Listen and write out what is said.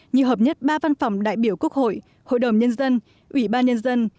như hợp nhất ba văn phòng đại biểu quốc hội hội đồng nhân dân ủy ban nhân dân